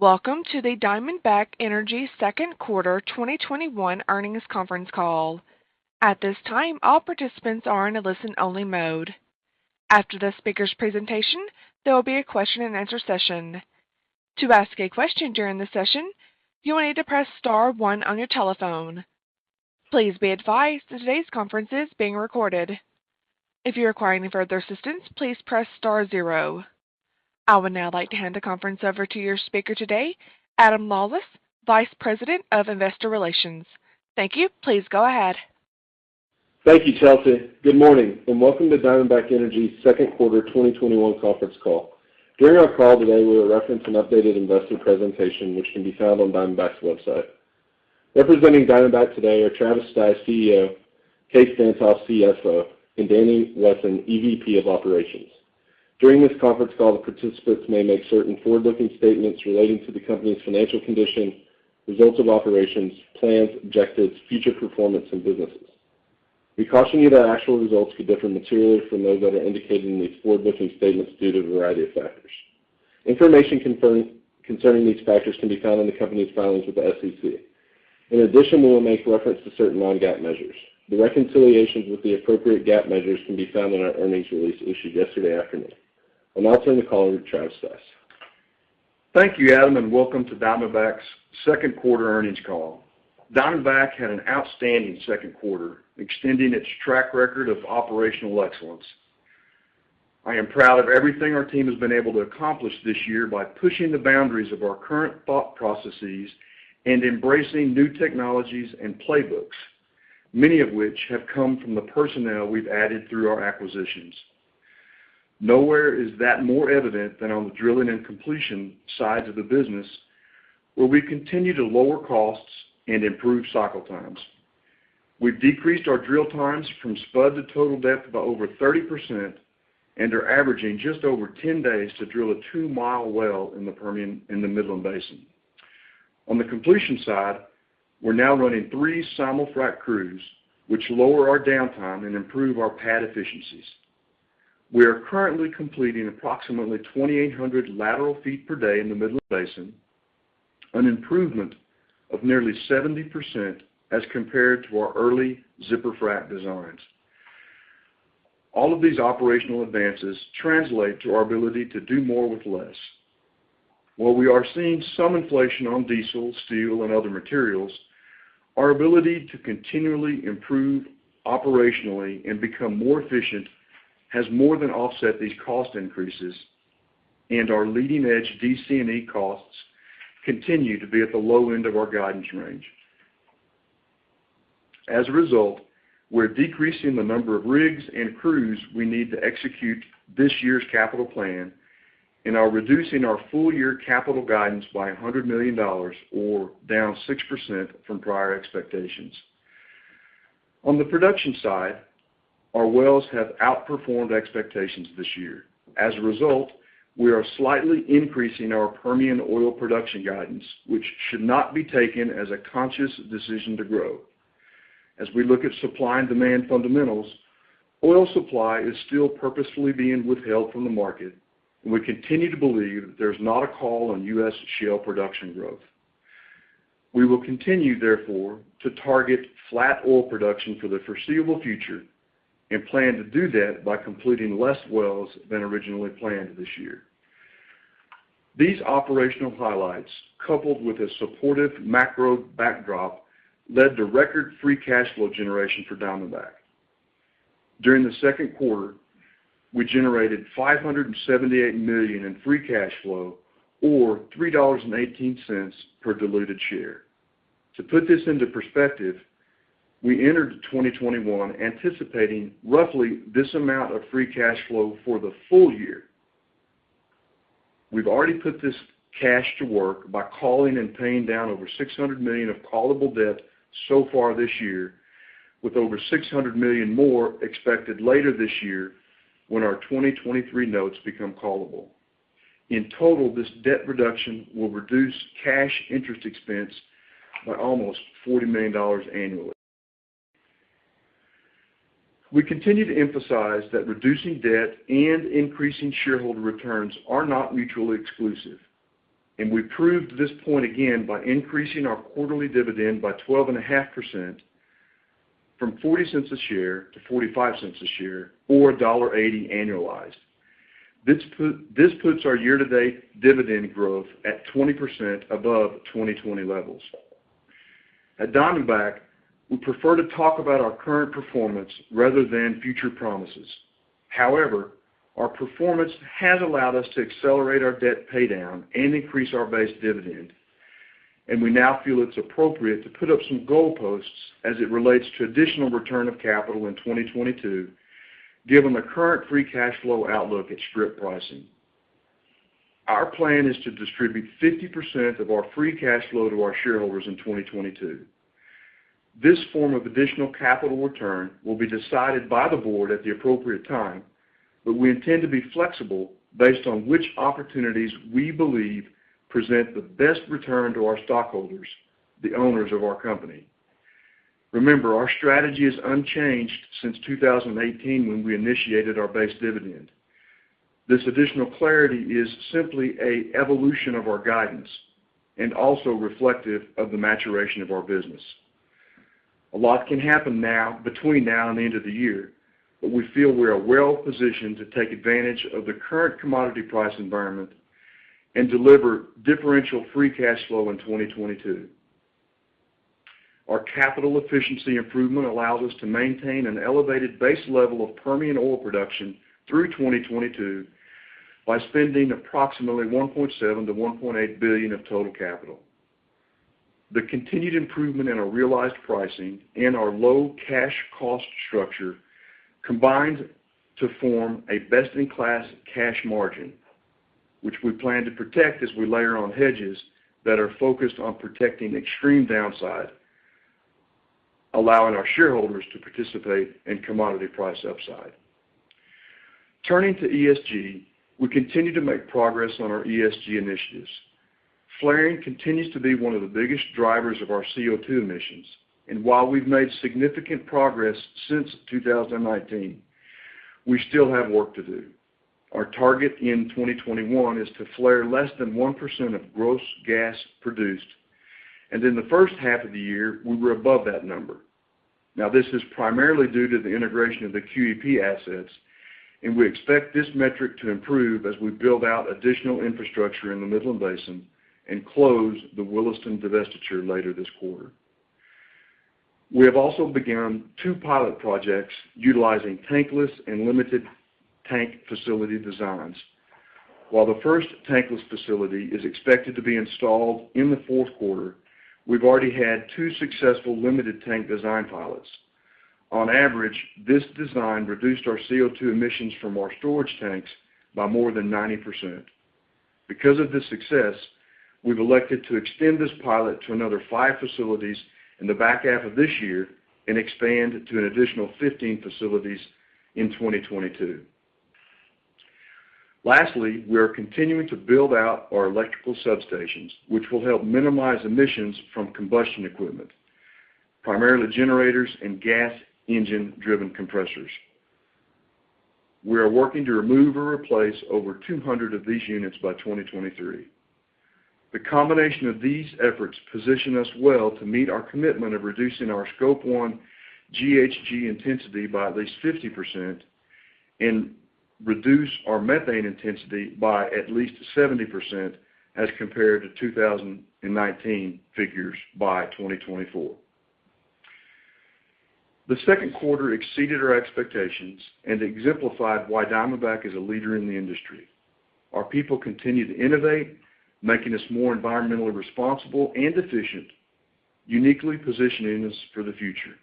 Welcome to the Diamondback Energy Second Quarter 2021 Earnings Conference Call. At this time, all participants are in a listen-only mode. After the speaker’s presentation, there will be a question-and-answer session. To ask a question during the session, you'll need to press star one on your telephone keypad. Please be advised today's conference is being recorded. If you require further assistance, please press star zero. I would now like to hand the conference over to your speaker today, Adam Lawlis, Vice President of Investor Relations. Thank you. Please go ahead. Thank you, Chelsea. Good morning, and welcome to Diamondback Energy's second quarter 2021 conference call. During our call today, we will reference an updated investor presentation, which can be found on Diamondback's website. Representing Diamondback today are Travis Stice, CEO; Kaes Van't Hof, CFO; and Danny Wesson, EVP of Operations. During this conference call, the participants may make certain forward-looking statements relating to the company's financial condition, results of operations, plans, objectives, future performance and businesses. We caution you that actual results could differ materially from those that are indicated in these forward-looking statements due to a variety of factors. Information concerning these factors can be found in the company's filings with the SEC. In addition, we will make reference to certain non-GAAP measures. The reconciliations with the appropriate GAAP measures can be found in our earnings release issued yesterday afternoon. I'll now turn the call over to Travis Stice. Thank you, Adam, and welcome to Diamondback's second quarter earnings call. Diamondback had an outstanding second quarter, extending its track record of operational excellence. I am proud of everything our team has been able to accomplish this year by pushing the boundaries of our current thought processes and embracing new technologies and playbooks, many of which have come from the personnel we've added through our acquisitions. Nowhere is that more evident than on the drilling and completion sides of the business, where we continue to lower costs and improve cycle times. We've decreased our drill times from spud to total depth by over 30% and are averaging just over 10 days to drill a 2-mile well in the Midland Basin. On the completion side, we're now running three simul-frac crews, which lower our downtime and improve our pad efficiencies. We are currently completing approximately 2,800 lateral feet per day in the Midland Basin, an improvement of nearly 70% as compared to our early zipper frac designs. All of these operational advances translate to our ability to do more with less. While we are seeing some inflation on diesel, steel, and other materials, our ability to continually improve operationally and become more efficient has more than offset these cost increases, and our leading-edge DC&E costs continue to be at the low end of our guidance range. As a result, we're decreasing the number of rigs and crews we need to execute this year's capital plan and are reducing our full-year capital guidance by $100 million or down 6% from prior expectations. On the production side, our wells have outperformed expectations this year. As a result, we are slightly increasing our Permian oil production guidance, which should not be taken as a conscious decision to grow. As we look at supply and demand fundamentals, oil supply is still purposefully being withheld from the market, and we continue to believe that there's not a call on U.S. shale production growth. We will continue, therefore, to target flat oil production for the foreseeable future and plan to do that by completing less wells than originally planned this year. These operational highlights, coupled with a supportive macro backdrop, led to record free cash flow generation for Diamondback Energy. During the second quarter, we generated $578 million in free cash flow or $3.18 per diluted share. To put this into perspective, we entered 2021 anticipating roughly this amount of free cash flow for the full year. We've already put this cash to work by calling and paying down over $600 million of callable debt so far this year, with over $600 million more expected later this year when our 2023 notes become callable. In total, this debt reduction will reduce cash interest expense by almost $40 million annually. We continue to emphasize that reducing debt and increasing shareholder returns are not mutually exclusive, and we proved this point again by increasing our quarterly dividend by 12.5% from $0.40 a share to $0.45 a share, or $1.80 annualized. This puts our year-to-date dividend growth at 20% above 2020 levels. At Diamondback, we prefer to talk about our current performance rather than future promises. However, our performance has allowed us to accelerate our debt paydown and increase our base dividend, and we now feel it's appropriate to put up some goalposts as it relates to additional return of capital in 2022, given the current free cash flow outlook at strip pricing. Our plan is to distribute 50% of our free cash flow to our shareholders in 2022. This form of additional capital return will be decided by the board at the appropriate time, but we intend to be flexible based on which opportunities we believe present the best return to our stockholders, the owners of our company. Remember, our strategy is unchanged since 2018 when we initiated our base dividend. This additional clarity is simply a evolution of our guidance and also reflective of the maturation of our business. A lot can happen between now and the end of the year, but we feel we're well-positioned to take advantage of the current commodity price environment and deliver differential free cash flow in 2022. Our capital efficiency improvement allows us to maintain an elevated base level of Permian oil production through 2022 by spending approximately $1.7 billion-$1.8 billion of total capital. The continued improvement in our realized pricing and our low cash cost structure combines to form a best-in-class cash margin, which we plan to protect as we layer on hedges that are focused on protecting extreme downside, allowing our shareholders to participate in commodity price upside. Turning to ESG, we continue to make progress on our ESG initiatives. Flaring continues to be one of the biggest drivers of our CO2 emissions, and while we've made significant progress since 2019, we still have work to do. Our target in 2021 is to flare less than 1% of gross gas produced. In the first half of the year, we were above that number. Now, this is primarily due to the integration of the QEP assets. We expect this metric to improve as we build out additional infrastructure in the Midland Basin and close the Williston divestiture later this quarter. We have also begun two pilot projects utilizing tankless and limited tank facility designs. While the first tankless facility is expected to be installed in the fourth quarter, we've already had two successful limited tank design pilots. On average, this design reduced our CO2 emissions from our storage tanks by more than 90%. Because of this success, we've elected to extend this pilot to another five facilities in the back half of this year and expand to an additional 15 facilities in 2022. Lastly, we are continuing to build out our electrical substations, which will help minimize emissions from combustion equipment, primarily generators and gas engine-driven compressors. We are working to remove or replace over 200 of these units by 2023. The combination of these efforts position us well to meet our commitment of reducing our Scope 1 GHG intensity by at least 50% and reduce our methane intensity by at least 70% as compared to 2019 figures by 2024. The second quarter exceeded our expectations and exemplified why Diamondback is a leader in the industry. Our people continue to innovate, making us more environmentally responsible and efficient, uniquely positioning us for the future.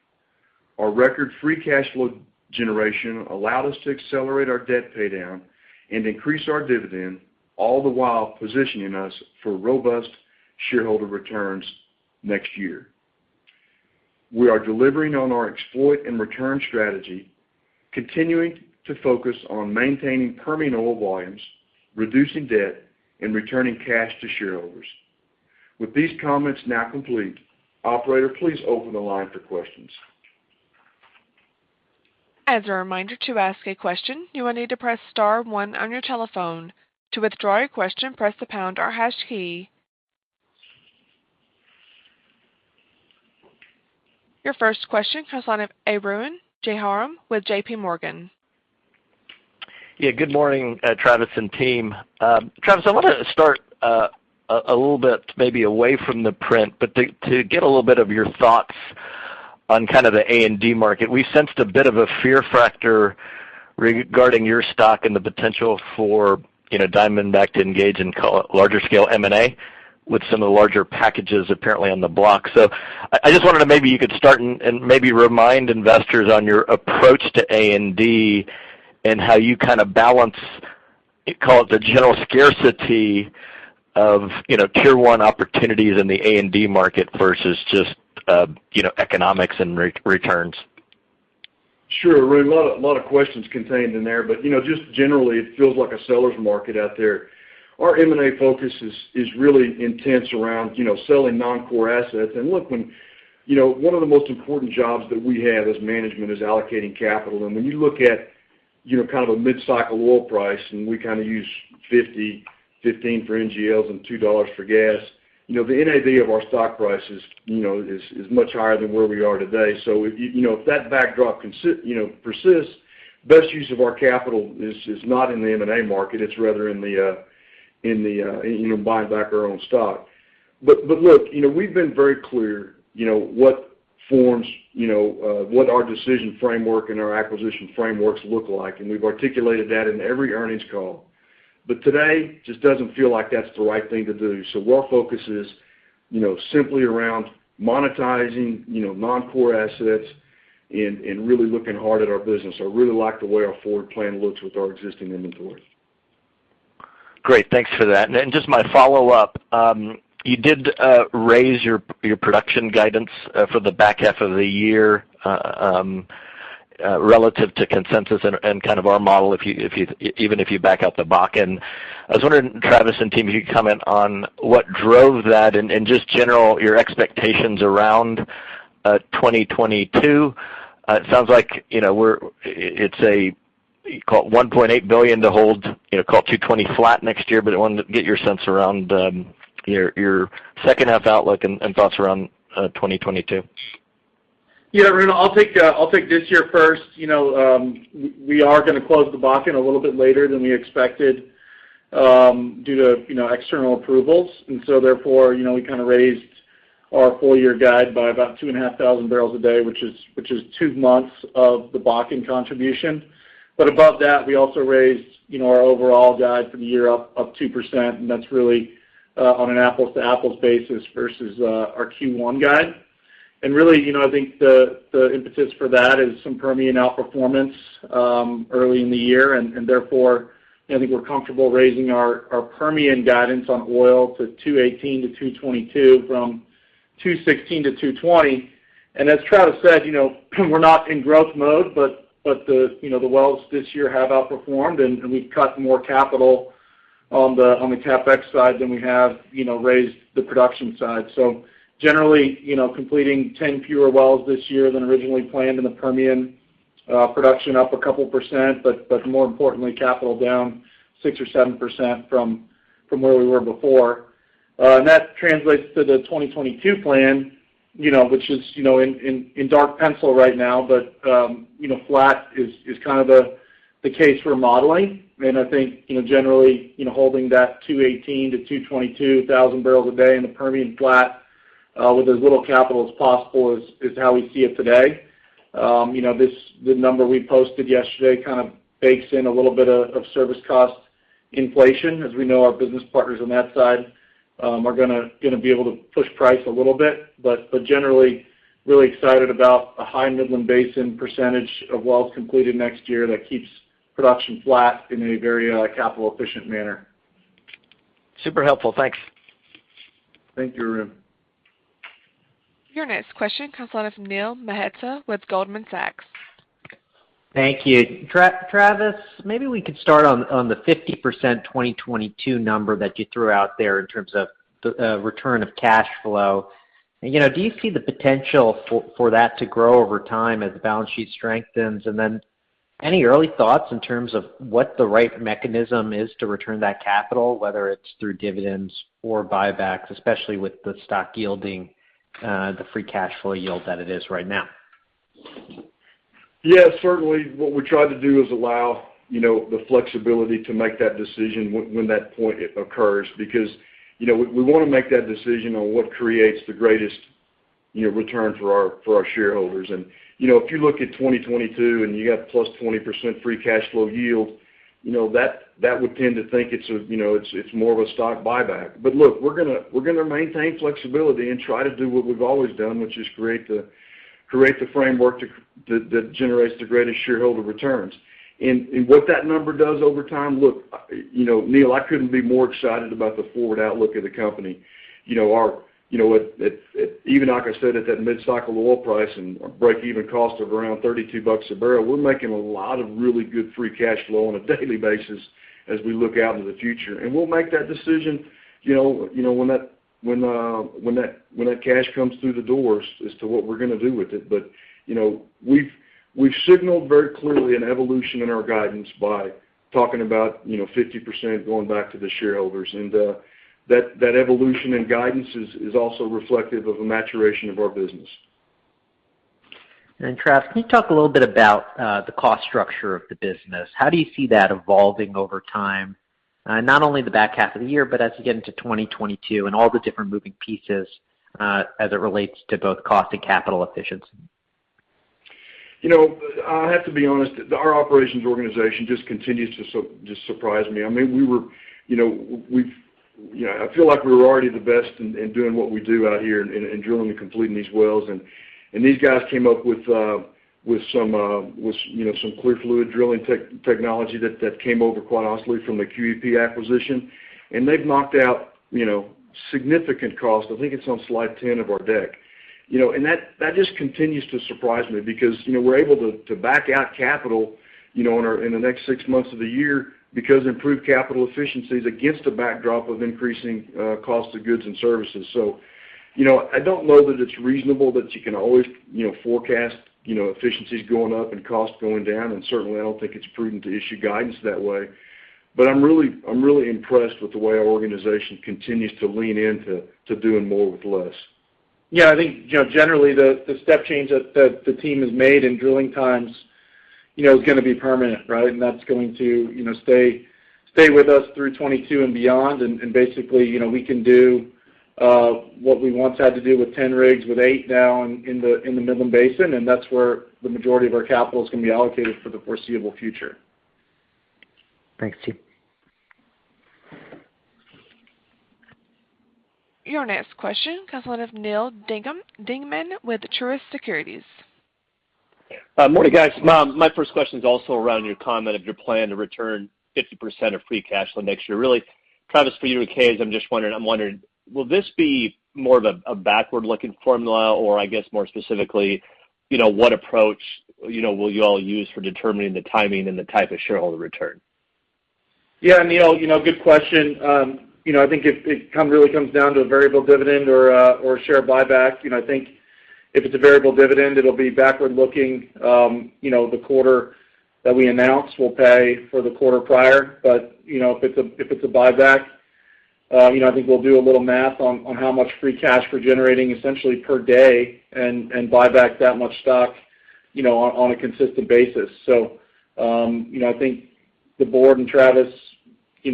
Our record-free cash flow generation allowed us to accelerate our debt paydown and increase our dividend, all the while positioning us for robust shareholder returns next year. We are delivering on our exploit and return strategy, continuing to focus on maintaining Permian oil volumes, reducing debt, and returning cash to shareholders. With these comments now complete, operator, please open the line for questions. As a reminder to ask a question, you will need to press star one on your telephone. To withdraw your question, press the pound key or hashtag key. Your first question comes on the line from Arun Jayaram with JPMorgan. Yeah. Good morning, Travis and team. Travis, I wanted to start a little bit maybe away from the print, but to get a little bit of your thoughts on kind of the A&D market. We sensed a bit of a fear factor regarding your stock and the potential for Diamondback to engage in larger scale M&A with some of the larger packages apparently on the block. I just wondered if maybe you could start and maybe remind investors on your approach to A&D and how you kind of balance, call it, the general scarcity of Tier 1 opportunities in the A&D market versus just economics and returns. Sure. Arun, a lot of questions contained in there. Just generally, it feels like a seller's market out there. Our M&A focus is really intense around selling non-core assets. Look, one of the most important jobs that we have as management is allocating capital. When you look at kind of a mid-cycle oil price, and we kind of use $50, $15 for NGLs, and $2 for gas, the NAV of our stock price is much higher than where we are today. If that backdrop persists, best use of our capital is not in the M&A market, it's rather in buying back our own stock. Look, we've been very clear what our decision framework and our acquisition frameworks look like. We've articulated that in every earnings call. Today, just doesn't feel like that's the right thing to do. Our focus is simply around monetizing non-core assets and really looking hard at our business. I really like the way our forward plan looks with our existing inventory. Great. Thanks for that. Then just my follow-up. You did raise your production guidance for the back half of the year relative to consensus and kind of our model, even if you back out the Bakken. I was wondering, Travis and team, if you could comment on what drove that and just general, your expectations around 2022. It sounds like it's a $1.8 billion to hold, call 220,000 flat next year, but I wanted to get your sense around your second half outlook and thoughts around 2022. Yeah, Arun, I'll take this year first. We are going to close the Bakken a little bit later than we expected due to external approvals. Therefore, we kind of raised our full-year guide by about 2,500 bpd, which is 2 months of the Bakken contribution. Above that, we also raised our overall guide for the year up 2%, and that's really on an apples-to-apples basis versus our Q1 guide. Really, I think the impetus for that is some Permian outperformance early in the year, and therefore, I think we're comfortable raising our Permian guidance on oil to 218,000-222,000 from 216,000-220,000. As Travis said, we're not in growth mode, but the wells this year have outperformed, and we've cut more capital on the CapEx side than we have raised the production side. Generally, completing 10 fewer wells this year than originally planned in the Permian. Production up 2%, but more importantly, capital down 6% or 7% from where we were before. That translates to the 2022 plan, which is in dark pencil right now, but flat is kind of the case we're modeling. I think, generally, holding that 218,000-222,000 bpd in the Permian flat with as little capital as possible is how we see it today. The number we posted yesterday kind of bakes in a little bit of service cost inflation. We know, our business partners on that side are going to be able to push price a little bit, but generally, really excited about a high Midland Basin percentage of wells completed next year that keeps production flat in a very capital-efficient manner. Super helpful. Thanks. Thank you, Arun. Your next question comes out of Neil Mehta with Goldman Sachs. Thank you. Travis, maybe we could start on the 50% 2022 number that you threw out there in terms of the return of cash flow. Do you see the potential for that to grow over time as the balance sheet strengthens? Any early thoughts in terms of what the right mechanism is to return that capital, whether it's through dividends or buybacks, especially with the stock yielding the free cash flow yield that it is right now? Yeah, certainly. What we try to do is allow the flexibility to make that decision when that point occurs, because we want to make that decision on what creates the greatest return for our shareholders. If you look at 2022 and you got +20% free cash flow yield, that would tend to think it's more of a stock buyback. Look, we're going to maintain flexibility and try to do what we've always done, which is create the framework that generates the greatest shareholder returns. What that number does over time, look, Neil, I couldn't be more excited about the forward outlook of the company. Even like I said, at that mid-cycle oil price and break-even cost of around $32/bbl, we're making a lot of really good free cash flow on a daily basis as we look out into the future. We'll make that decision when that cash comes through the doors as to what we're going to do with it. We've signaled very clearly an evolution in our guidance by talking about 50% going back to the shareholders, and that evolution in guidance is also reflective of a maturation of our business. Travis, can you talk a little bit about the cost structure of the business? How do you see that evolving over time, not only the back half of the year, but as you get into 2022 and all the different moving pieces as it relates to both cost and capital efficiency? I have to be honest, our operations organization just continues to just surprise me. I feel like we were already the best in doing what we do out here and drilling and completing these wells. These guys came up with some clear fluid drilling technology that came over, quite honestly, from the QEP acquisition. They've knocked out significant cost. I think it's on slide 10 of our deck. That just continues to surprise me because we're able to back out capital in the next six months of the year because improved capital efficiencies against a backdrop of increasing cost of goods and services. I don't know that it's reasonable that you can always forecast efficiencies going up and costs going down, and certainly, I don't think it's prudent to issue guidance that way. I'm really impressed with the way our organization continues to lean into doing more with less. Yeah, I think generally, the step change that the team has made in drilling times is going to be permanent, right? That's going to stay with us through 2022 and beyond. Basically, we can do what we once had to do with 10 rigs with eight now in the Midland Basin, and that's where the majority of our capital is going to be allocated for the foreseeable future. Thanks, team. Your next question comes line of Neal Dingmann with Truist Securities. Morning, guys. My first question is also around your comment of your plan to return 50% of free cash flow next year. Really Travis, for you and Kaes, I'm just wondering, will this be more of a backward-looking formula or I guess more specifically, what approach will you all use for determining the timing and the type of shareholder return? Yeah, Neil, good question. I think it really comes down to a variable dividend or share buyback. I think if it's a variable dividend, it'll be backward-looking. The quarter that we announce we'll pay for the quarter prior. If it's a buyback, I think we'll do a little math on how much free cash we're generating essentially per day and buy back that much stock on a consistent basis. I think the board and Travis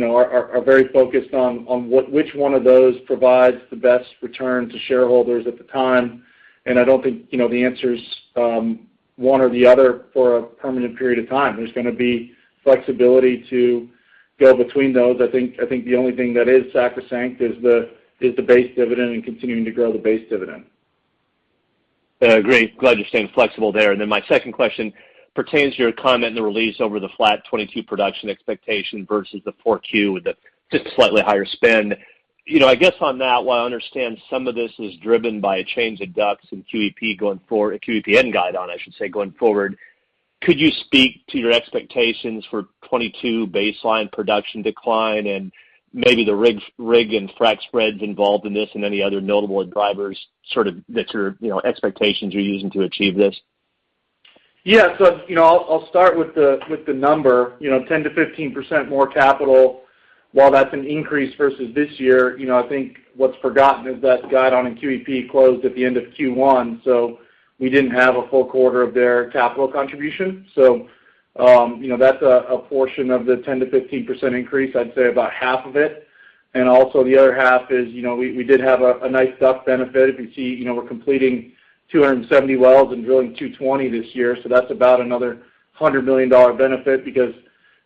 are very focused on which one of those provides the best return to shareholders at the time. I don't think the answer's one or the other for a permanent period of time. There's going to be flexibility to go between those. I think the only thing that is sacrosanct is the base dividend and continuing to grow the base dividend. Great. Glad you're staying flexible there. My second question pertains to your comment in the release over the flat 2022 production expectation versus the 4Q with the just slightly higher spend. While I understand some of this is driven by a change of DUCs and QEP guide on going forward, could you speak to your expectations for 2022 baseline production decline and maybe the rig and frac spreads involved in this and any other notable drivers, sort of that your expectations are using to achieve this? Yeah. I'll start with the number. 10%-15% more capital, while that's an increase versus this year, I think what's forgotten is that Guidon Operating and QEP closed at the end of Q1, we didn't have a full quarter of their capital contribution. That's a portion of the 10%-15% increase, I'd say about half of it. The other half is we did have a nice DUC benefit. If you see, we're completing 270 wells and drilling 220 this year. That's about another $100 million benefit because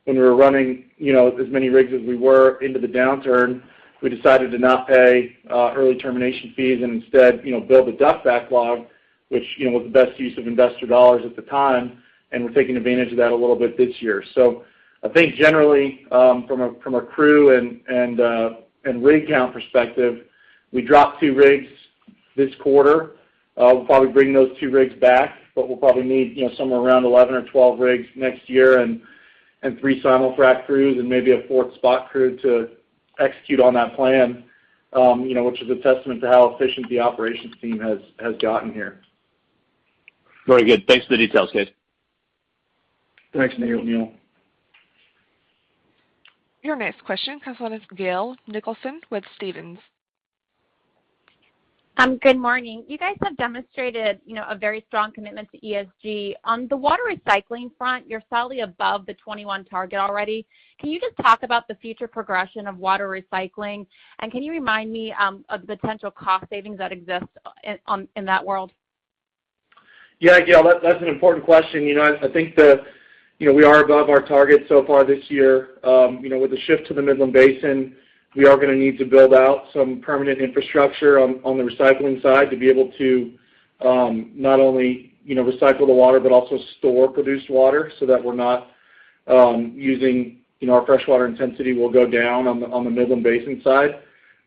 when we were running as many rigs as we were into the downturn, we decided to not pay early termination fees and instead build a DUC backlog, which was the best use of investor dollars at the time, and we're taking advantage of that a little bit this year. I think generally, from a crew and rig count perspective, we dropped two rigs this quarter. We'll probably bring those two rigs back, but we'll probably need somewhere around 11 or 12 rigs next year and three simul-frac crews and maybe a fourth spot crew to execute on that plan, which is a testament to how efficient the operations team has gotten here. Very good. Thanks for the details, Kaes Van't Hof. Thanks, Neal. Your next question comes on with Gail Nicholson with Stephens. Good morning. You guys have demonstrated a very strong commitment to ESG. On the water recycling front, you're slightly above the 2021 target already. Can you just talk about the future progression of water recycling? Can you remind me of the potential cost savings that exist in that world? Yeah, Gail, that's an important question. I think we are above our target so far this year. With the shift to the Midland Basin, we are going to need to build out some permanent infrastructure on the recycling side to be able to not only recycle the water but also store produced water so that our freshwater intensity will go down on the Midland Basin side.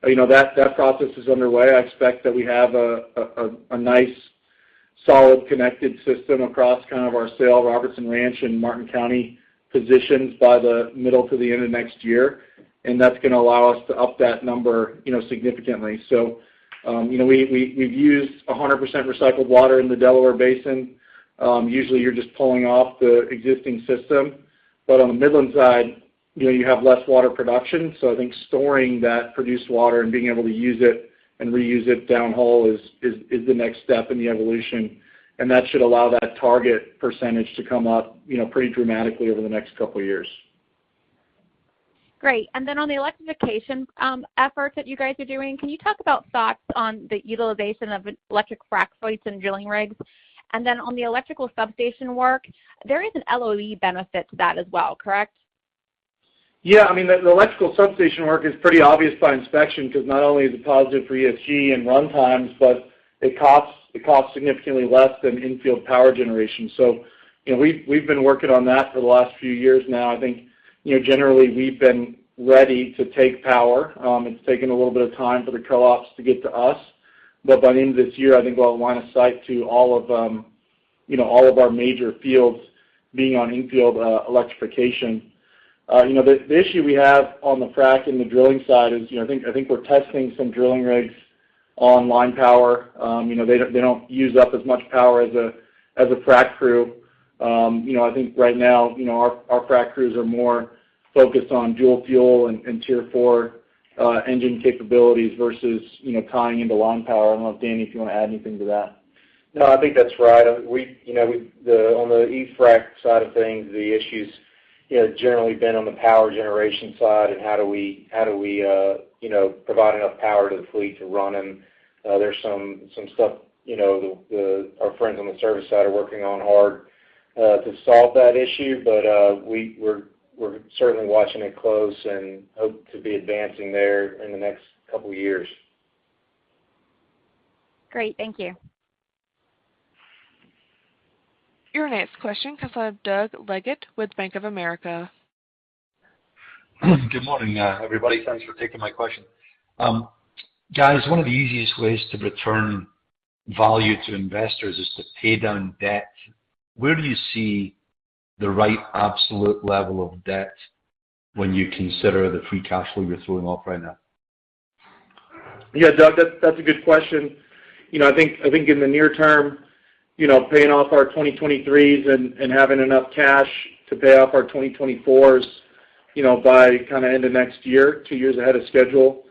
That process is underway. I expect that we have a nice, solid, connected system across kind of our Sale, Robertson Ranch and Martin County positions by the middle to the end of next year, and that's going to allow us to up that number significantly. We've used 100% recycled water in the Delaware Basin. Usually, you're just pulling off the existing system. On the Midland side, you have less water production. I think storing that produced water and being able to use it and reuse it down the hole is the next step in the evolution, and that should allow that target percentage to come up pretty dramatically over the next couple of years. Great. On the electrification efforts that you guys are doing, can you talk about thoughts on the utilization of e-frac fleets and drilling rigs? On the electrical substation work, there is an LOE benefit to that as well, correct? The electrical substation work is pretty obvious by inspection because not only is it positive for ESG and run times, but it costs significantly less than infield power generation. We've been working on that for the last few years now. I think generally we've been ready to take power. It's taken a little bit of time for the co-ops to get to us. By the end of this year, I think we'll have line of sight to all of our major fields being on infield electrification. The issue we have on the frac and the drilling side is I think we're testing some drilling rigs on line power. They don't use up as much power as a frac crew. I think right now our frac crews are more focused on dual fuel and Tier 4 engine capabilities versus tying into line power. I don't know, Danny, if you want to add anything to that. No, I think that's right. On the e-frac side of things, the issue's generally been on the power generation side and how do we provide enough power to the fleet to run and there's some stuff our friends on the service side are working on hard to solve that issue. We're certainly watching it close and hope to be advancing there in the next couple of years. Great. Thank you. Your next question comes from Doug Leggate with Bank of America. Good morning, everybody. Thanks for taking my question. Guys, one of the easiest ways to return value to investors is to pay down debt. Where do you see the right absolute level of debt when you consider the free cash flow you're throwing off right now? Doug, that's a good question. I think in the near term, paying off our 2023s and having enough cash to pay off our 2024s by kind of end of next year, two years ahead of schedule,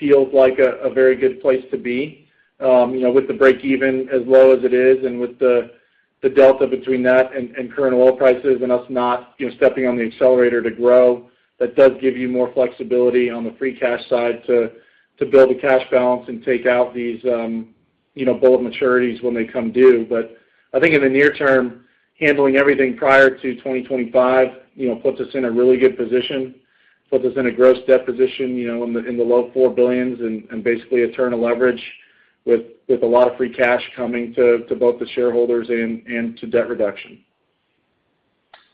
feels like a very good place to be. With the break-even as low as it is and with the delta between that and current oil prices and us not stepping on the accelerator to grow, that does give you more flexibility on the free cash side to build a cash balance and take out these bullet maturities when they come due. I think in the near term, handling everything prior to 2025 puts us in a really good position, puts us in a gross debt position in the low $4 billions and basically eternal leverage with a lot of free cash coming to both the shareholders and to debt reduction.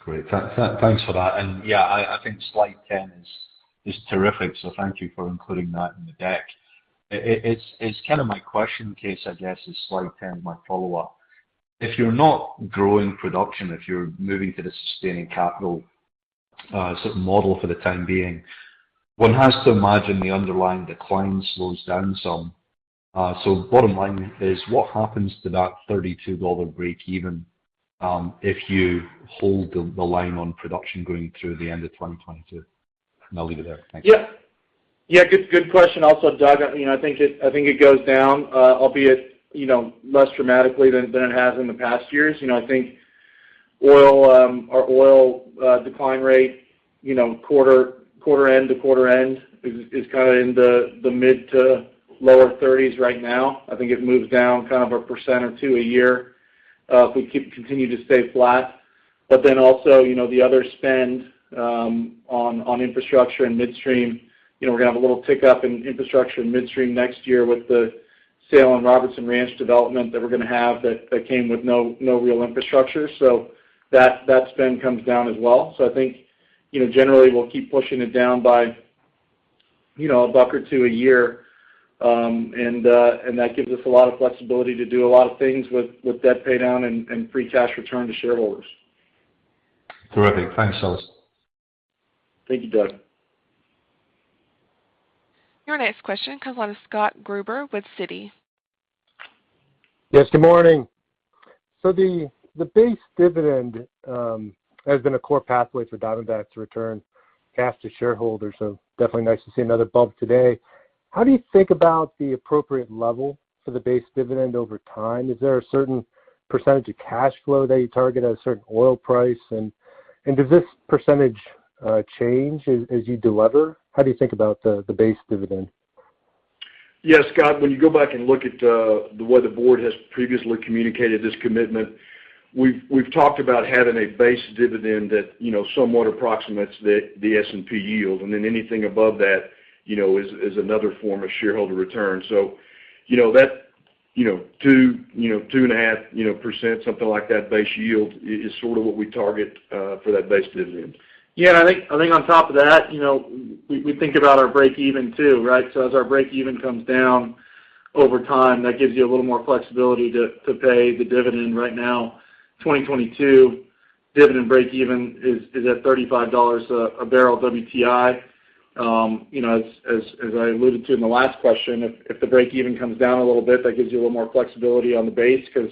Great. Thanks for that. Yeah, I think slide 10 is terrific, so thank you for including that in the deck. It's kind of my question, Kaes, I guess, is slide 10, my follow-up. If you're not growing production, if you're moving to the sustaining capital sort of model for the time being, one has to imagine the underlying decline slows down some. Bottom line is what happens to that $32 break-even if you hold the line on production going through the end of 2022? I'll leave it there. Thank you. Good question also, Doug. I think it goes down, albeit less dramatically than it has in the past years. I think our oil decline rate quarter end to quarter end is kind of in the mid to lower 30s right now. I think it moves down kind of 1% or 2% a year if we continue to stay flat. Also, the other spend on infrastructure and midstream, we're going to have a little tick up in infrastructure and midstream next year with the Sale and Robertson Ranch development that we're going to have that came with no real infrastructure. That spend comes down as well. I think generally we'll keep pushing it down by $1 or $2 a year. That gives us a lot of flexibility to do a lot of things with debt paydown and free cash return to shareholders. Terrific. Thanks, fellas. Thank you, Doug. Your next question comes on of Scott Gruber with Citi. Yes, good morning. The base dividend has been a core pathway for Diamondback to return cash to shareholders, so definitely nice to see another bump today. How do you think about the appropriate level for the base dividend over time? Is there a certain percentage of cash flow that you target at a certain oil price? Does this percentage change as you de-lever? How do you think about the base dividend? Yes, Scott, when you go back and look at the way the board has previously communicated this commitment, we've talked about having a base dividend that somewhat approximates the S&P yield, and then anything above that is another form of shareholder return. That 2%-2.5%, something like that base yield is sort of what we target for that base dividend. I think on top of that, we think about our break-even, too, right? As our break-even comes down over time, that gives you a little more flexibility to pay the dividend. Right now, 2022 dividend break-even is at $35 a barrel WTI. As I alluded to in the last question, if the break-even comes down a little bit, that gives you a little more flexibility on the base because,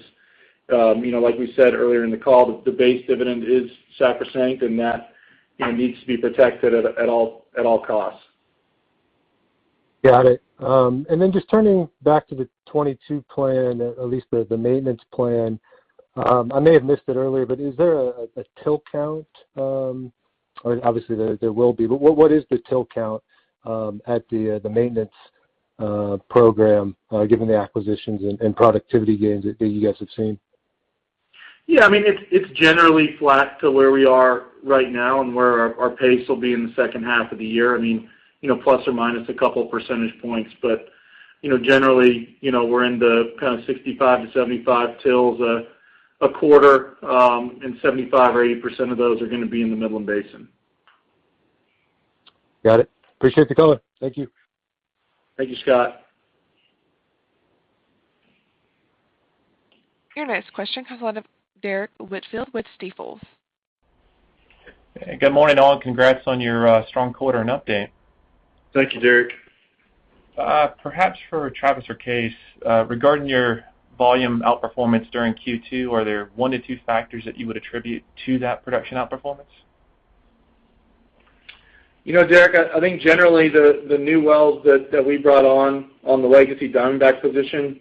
like we said earlier in the call, the base dividend is sacrosanct, and that needs to be protected at all costs. Got it. Just turning back to the 2022 plan, at least the maintenance plan. I may have missed it earlier, but is there a drill count? Obviously there will be, but what is the drill count at the maintenance program given the acquisitions and productivity gains that you guys have seen? Yeah. It's generally flat to where we are right now and where our pace will be in the second half of the year. Plus or minus a couple percentage points, generally, we're in the kind of 65-75 TDs a quarter, 75%-80% of those are going to be in the Midland Basin. Got it. Appreciate the color. Thank you. Thank you, Scott. Your next question comes from Derrick Whitfield with Stifel. Good morning, all. Congrats on your strong quarter and update. Thank you, Derrick. Perhaps for Travis or Kaes, regarding your volume outperformance during Q2, are there one to two factors that you would attribute to that production outperformance? Derrick, I think generally the new wells that we brought on the legacy Diamondback position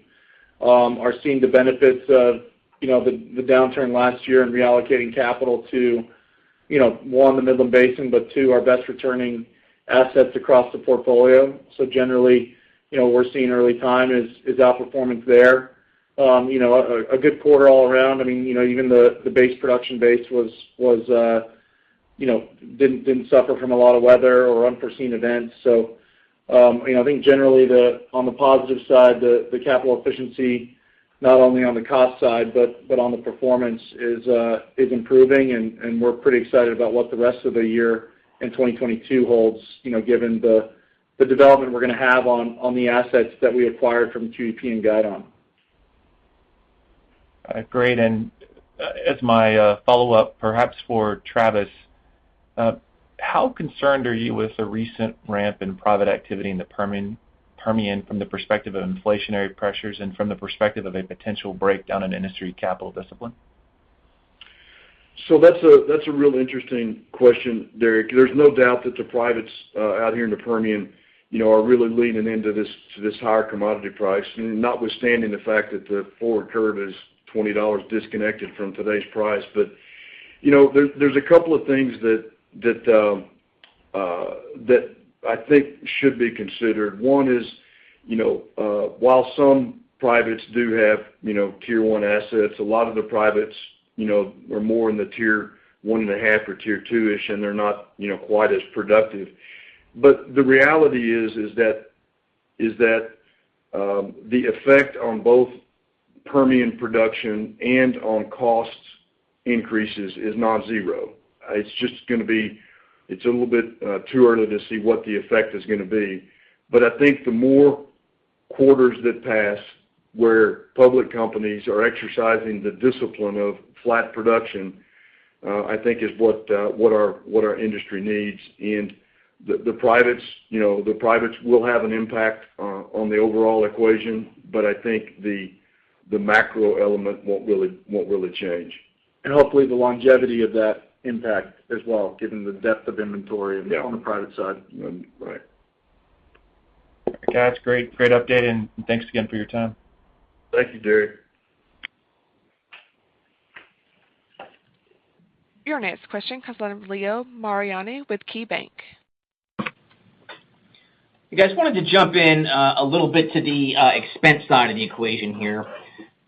are seeing the benefits of the downturn last year and reallocating capital to, one, the Midland Basin, but two, our best returning assets across the portfolio. Generally, we're seeing early time is outperformance there. A good quarter all around. Even the base production base didn't suffer from a lot of weather or unforeseen events. I think generally, on the positive side, the capital efficiency, not only on the cost side but on the performance, is improving, and we're pretty excited about what the rest of the year in 2022 holds, given the development we're going to have on the assets that we acquired from QEP and Guidon. Great. As my follow-up, perhaps for Travis, how concerned are you with the recent ramp in private activity in the Permian from the perspective of inflationary pressures and from the perspective of a potential breakdown in industry capital discipline? That's a real interesting question, Derrick. There's no doubt that the privates out here in the Permian are really leaning into this higher commodity price, notwithstanding the fact that the forward curve is $20 disconnected from today's price. There's a couple of things that I think should be considered. One is, while some privates do have Tier 1 assets, a lot of the privates are more in the Tier 1 and a half or Tier 2-ish, and they're not quite as productive. The reality is that the effect on both Permian production and on cost increases is not zero. It's a little bit too early to see what the effect is going to be, but I think the more quarters that pass where public companies are exercising the discipline of flat production, I think is what our industry needs. The privates will have an impact on the overall equation, but I think the macro element won't really change. Hopefully, the longevity of that impact as well, given the depth of inventory on the private side. Right. Okay. That's great. Great update, and thanks again for your time. Thank you, Derrick. Your next question comes from Leo Mariani with KeyBank. You guys, wanted to jump in a little bit to the expense side of the equation here.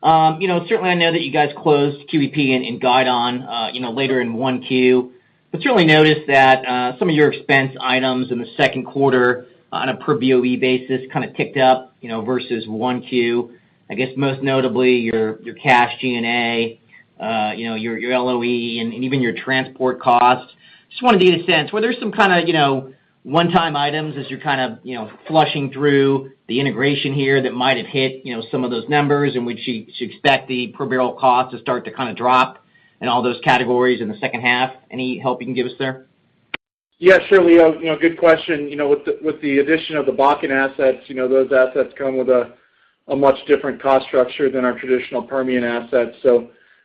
Certainly, I know that you guys closed QEP and Guidon later in 1Q, certainly noticed that some of your expense items in the second quarter on a per BOE basis kind of ticked up versus 1Q. I guess most notably your cash G&A, your LOE, and even your transport costs. Just wanted to get a sense, were there some kind of one-time items as you're flushing through the integration here that might have hit some of those numbers in which you expect the per-barrel cost to start to drop in all those categories in the second half? Any help you can give us there? Yeah, sure, Leo. Good question. With the addition of the Bakken assets, those assets come with a much different cost structure than our traditional Permian assets.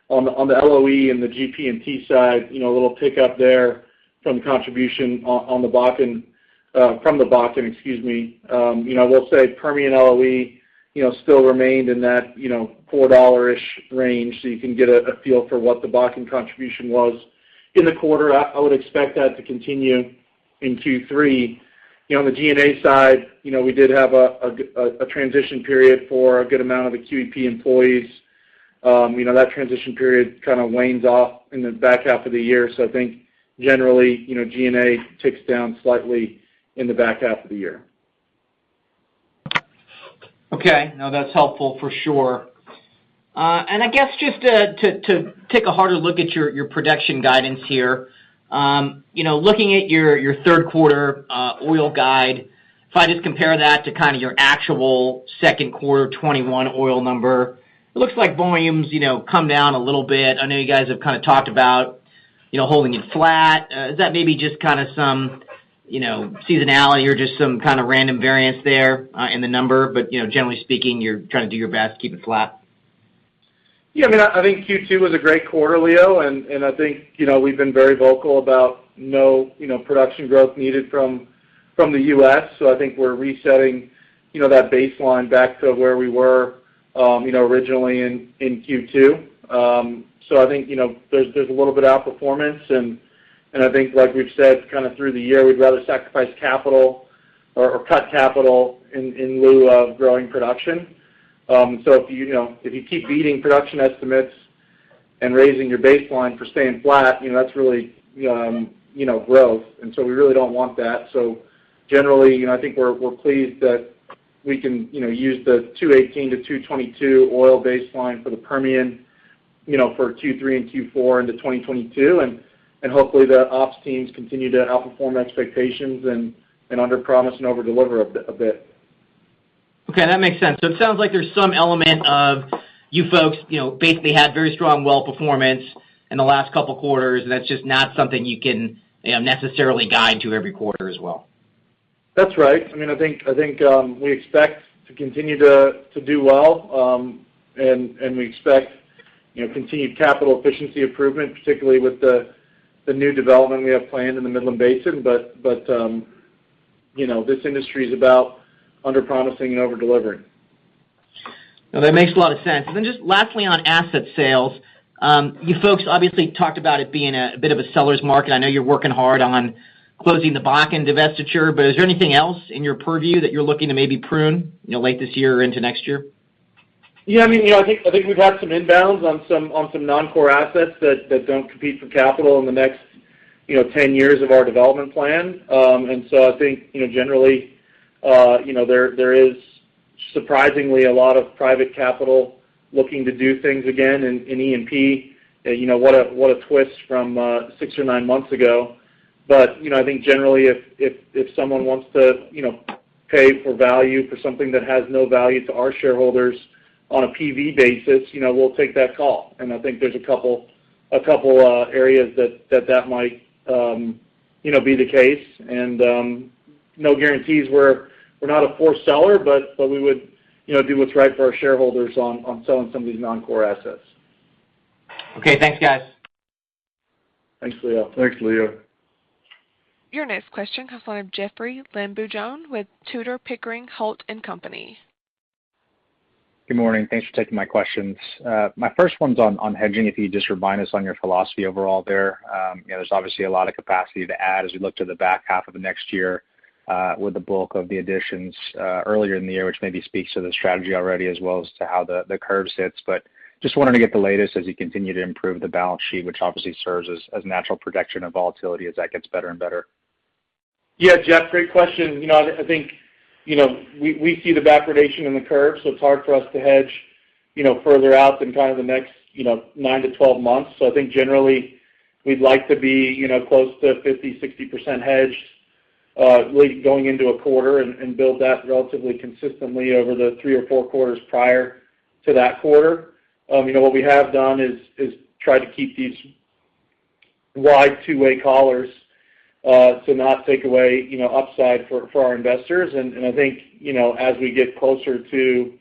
On the LOE and the GP&T side, a little tick-up there from the Bakken. We'll say Permian LOE still remained in that $4-ish range, so you can get a feel for what the Bakken contribution was in the quarter. I would expect that to continue in Q3. On the G&A side, we did have a transition period for a good amount of the QEP employees. That transition period kind of wanes off in the back half of the year. I think generally, G&A ticks down slightly in the back half of the year. Okay. No, that's helpful for sure. I guess just to take a harder look at your production guidance here. Looking at your third quarter oil guide, if I just compare that to your actual second quarter 2021 oil number, it looks like volumes come down a little bit. I know you guys have talked about holding it flat. Is that maybe just some seasonality or just some kind of random variance there in the number, but generally speaking, you're trying to do your best to keep it flat? Yeah, I think Q2 was a great quarter, Leo, and I think we've been very vocal about no production growth needed from the U.S. I think we're resetting that baseline back to where we were originally in Q2. I think there's a little bit of outperformance, and I think like we've said kind of through the year, we'd rather sacrifice capital or cut capital in lieu of growing production. If you keep beating production estimates and raising your baseline for staying flat, that's really growth. We really don't want that. Generally, I think we're pleased that we can use the 218,000-222,000 oil baseline for the Permian for Q3 and Q4 into 2022. Hopefully, the ops teams continue to outperform expectations and underpromise and overdeliver a bit. Okay, that makes sense. It sounds like there's some element of you folks basically had very strong well performance in the last couple quarters, and that's just not something you can necessarily guide to every quarter as well. That's right. I think we expect to continue to do well, and we expect continued capital efficiency improvement, particularly with the new development we have planned in the Midland Basin. This industry is about underpromising and overdelivering. No, that makes a lot of sense. Lastly on asset sales. You folks obviously talked about it being a bit of a seller's market. I know you're working hard on closing the Bakken divestiture, but is there anything else in your purview that you're looking to maybe prune late this year or into next year? I think we've had some inbounds on some non-core assets that don't compete for capital in the next 10 years of our development plan. I think, generally, there is surprisingly a lot of private capital looking to do things again in E&P. What a twist from six or nine months ago. I think generally, if someone wants to pay for value for something that has no value to our shareholders on a PV basis, we'll take that call. I think there's a couple areas that that might be the case, and no guarantees we're not a core seller, but we would do what's right for our shareholders on selling some of these non-core assets. Okay. Thanks, guys. Thanks, Leo. Thanks, Leo. Your next question comes from Jeoffrey Lambujon with Tudor, Pickering, Holt & Co. Good morning. Thanks for taking my questions. My first one's on hedging, if you could just remind us on your philosophy overall there. There's obviously a lot of capacity to add as we look to the back half of the next year with the bulk of the additions earlier in the year, which maybe speaks to the strategy already as well as to how the curve sits. Just wanted to get the latest as you continue to improve the balance sheet, which obviously serves as natural protection of volatility as that gets better and better. Jeoffrey, great question. I think we see the backwardation in the curve, it's hard for us to hedge further out than kind of the next 9-12 months. I think generally, we'd like to be close to 50%-60% hedged going into a quarter and build that relatively consistently over the three or four quarters prior to that quarter. What we have done is tried to keep these wide two-way collars to not take away upside for our investors. I think as we get closer to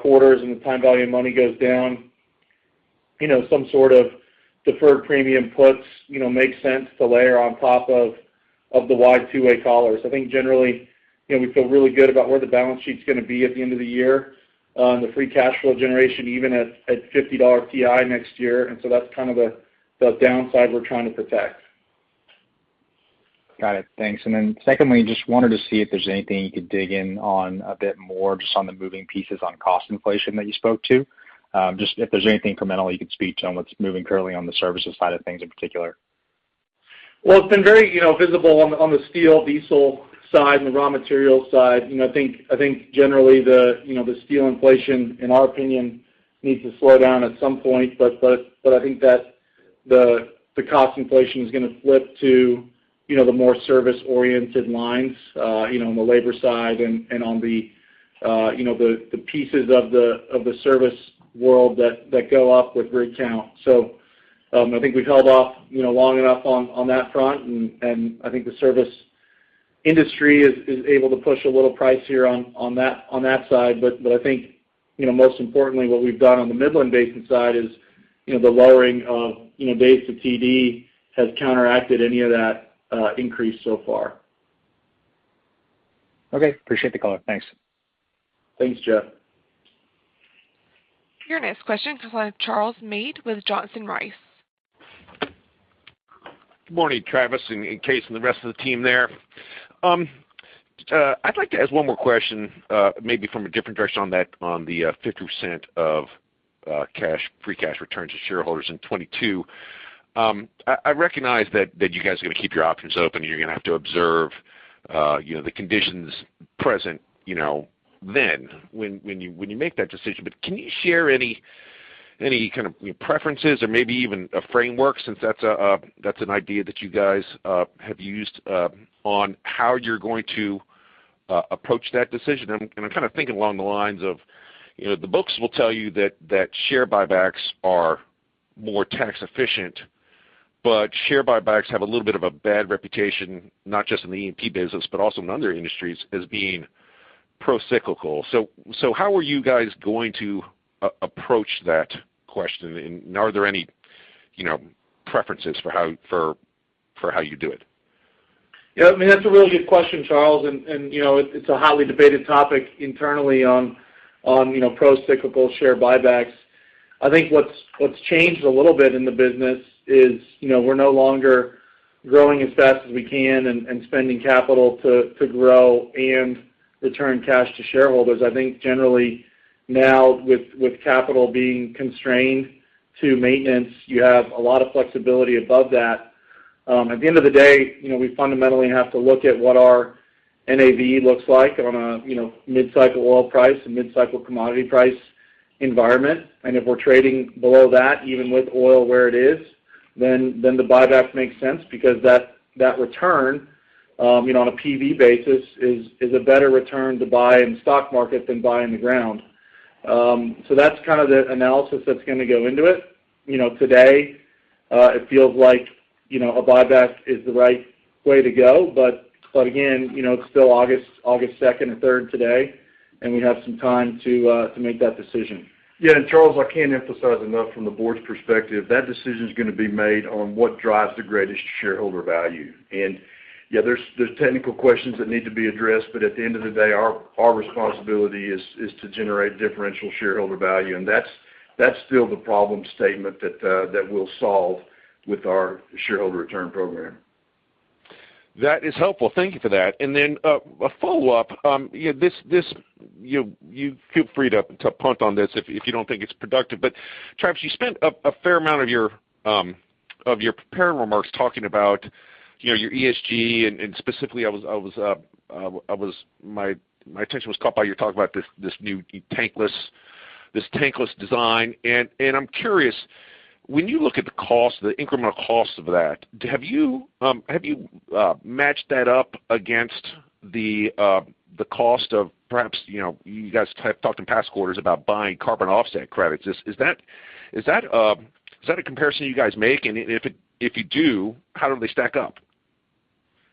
quarters and the time value of money goes down, some sort of deferred premium puts makes sense to layer on top of the wide two-way collars. I think generally, we feel really good about where the balance sheet's going to be at the end of the year on the free cash flow generation, even at $50 WTI next year. That's kind of the downside we're trying to protect. Got it. Thanks. Secondly, just wanted to see if there's anything you could dig in on a bit more just on the moving pieces on cost inflation that you spoke to. Just if there's anything incrementally you could speak to on what's moving currently on the services side of things in particular. Well, it's been very visible on the steel diesel side and the raw material side. I think generally the steel inflation, in our opinion, needs to slow down at some point. But I think that the cost inflation is going to flip to the more service-oriented lines on the labor side and on the pieces of the service world that go up with rig count. So I think we've held off long enough on that front, and I think the service industry is able to push a little price here on that side. But I think most importantly, what we've done on the Midland Basin side is the lowering of days to TD has counteracted any of that increase so far. Okay. Appreciate the color. Thanks. Thanks, Jeoff. Your next question comes from Charles Meade with Johnson Rice. Good morning, Travis and Kaes and the rest of the team there. I'd like to ask one more question maybe from a different direction on the 50% of free cash return to shareholders in 2022. I recognize that you guys are going to keep your options open, and you're going to have to observe the conditions present then when you make that decision. Can you share any kind of preferences or maybe even a framework, since that's an idea that you guys have used on how you're going to approach that decision? I'm kind of thinking along the lines of the books will tell you that share buybacks are more tax efficient, but share buybacks have a little bit of a bad reputation, not just in the E&P business, but also in other industries as being pro-cyclical. How are you guys going to approach that question? Are there any preferences for how you do it? That's a really good question, Charles, and it's a highly debated topic internally on pro-cyclical share buybacks. I think what's changed a little bit in the business is we're no longer growing as fast as we can and spending capital to grow and return cash to shareholders. I think generally now with capital being constrained to maintenance, you have a lot of flexibility above that. At the end of the day, we fundamentally have to look at what our NAV looks like on a mid-cycle oil price and mid-cycle commodity price environment. If we're trading below that, even with oil where it is, then the buyback makes sense because that return on a PV basis is a better return to buy in the stock market than buy in the ground. That's kind of the analysis that's going to go into it. Today, it feels like a buyback is the right way to go, but again, it's still August 2nd and 3rd today, and we have some time to make that decision. Yeah. Charles, I can't emphasize enough from the board's perspective, that decision's going to be made on what drives the greatest shareholder value. Yeah, there's technical questions that need to be addressed. At the end of the day, our responsibility is to generate differential shareholder value, and that's still the problem statement that we'll solve with our shareholder return program. That is helpful. Thank you for that. A follow-up. You feel free to punt on this if you don't think it's productive. Travis, you spent a fair amount of your prepared remarks talking about your ESG, and specifically, my attention was caught by you talking about this new tankless design, and I'm curious. When you look at the incremental cost of that, have you matched that up against the cost of perhaps, you guys have talked in past quarters about buying carbon offset credits. Is that a comparison you guys make? If you do, how do they stack up?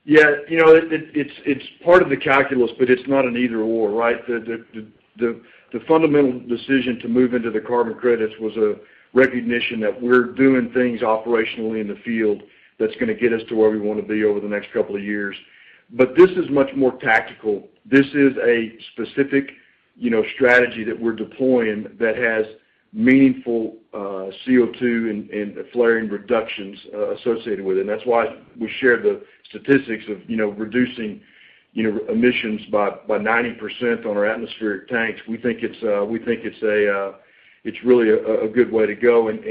Yeah. It's part of the calculus, but it's not an either/or, right? The fundamental decision to move into the carbon credits was a recognition that we're doing things operationally in the field that's going to get us to where we want to be over the next couple of years. This is much more tactical. This is a specific strategy that we're deploying that has meaningful CO2 and flaring reductions associated with it. That's why we share the statistics of reducing emissions by 90% on our atmospheric tanks. We think it's really a good way to go, and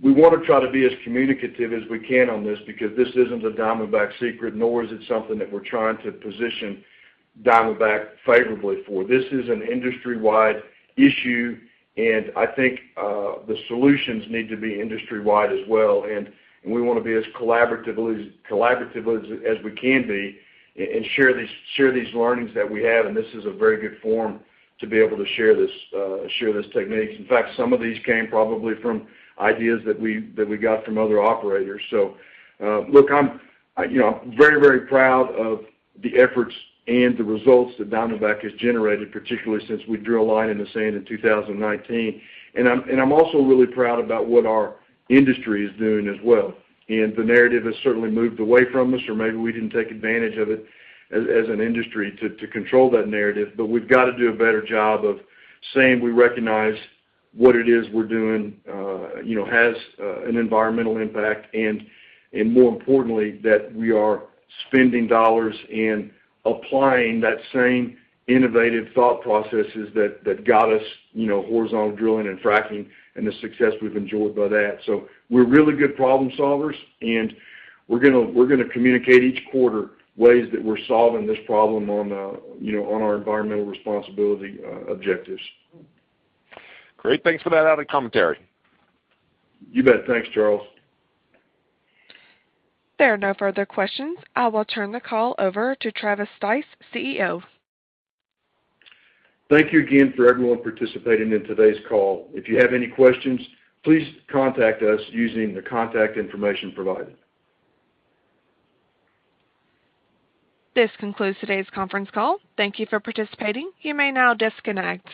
we want to try to be as communicative as we can on this because this isn't a Diamondback secret, nor is it something that we're trying to position Diamondback favorably for. This is an industry-wide issue, and I think, the solutions need to be industry-wide as well. We want to be as collaborative as we can be and share these learnings that we have, and this is a very good forum to be able to share this technique. Some of these came probably from ideas that we got from other operators. Look, I'm very proud of the efforts and the results that Diamondback has generated, particularly since we drew a line in the sand in 2019. I'm also really proud about what our industry is doing as well, and the narrative has certainly moved away from us, or maybe we didn't take advantage of it as an industry to control that narrative. We've got to do a better job of saying we recognize what it is we're doing has an environmental impact, and more importantly, that we are spending dollars and applying that same innovative thought processes that got us horizontal drilling and fracking and the success we've enjoyed by that. We're really good problem solvers, and we're going to communicate each quarter ways that we're solving this problem on our environmental responsibility objectives. Great. Thanks for that added commentary. You bet. Thanks, Charles. There are no further questions. I will turn the call over to Travis Stice, CEO. Thank you again for everyone participating in today's call. If you have any questions, please contact us using the contact information provided. This concludes today's conference call. Thank you for participating. You may now disconnect.